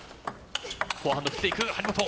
フォアハンドしていく、張本。